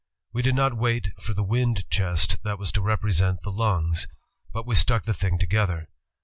We did not wait for the wind chest that was to represent the lungs ... but we stuck the thing together.